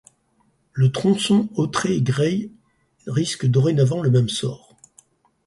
Le tronçon Autrey-Gray risque dorénavant le même sort.